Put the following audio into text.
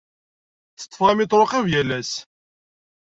Tteḍḍfeɣ amiṭru qrib yal ass.